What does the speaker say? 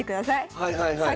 はいはいはい。